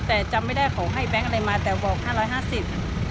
แต่จำไม่ได้ขอให้แบงค์อะไรมาแต่บอก๕๕๐บาท